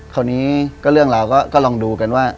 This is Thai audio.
คราวนี้ก็เรื่องเราก็ลองดูกันว่า